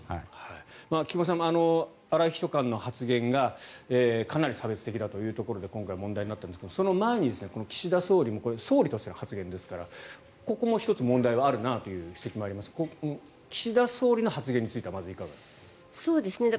菊間さん荒井秘書官の発言がかなり差別的だということで問題になったんですがその前にも岸田総理も総理としての発言ですからここも１つ問題はあるなという指摘もありますが岸田総理の発言についてはまず、いかがですか？